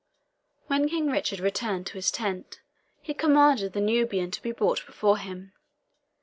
When King Richard returned to his tent, he commanded the Nubian to be brought before him.